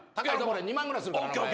２万ぐらいするから。